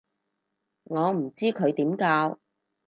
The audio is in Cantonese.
我唔知佢點教